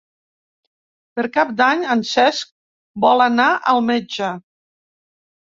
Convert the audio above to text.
Per Cap d'Any en Cesc vol anar al metge.